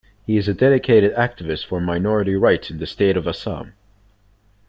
He is a dedicated activist for Minority Rights in the State of Assam.